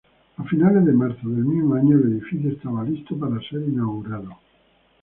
A finales de marzo del mismo año, el edificio estaba listo para ser inaugurado.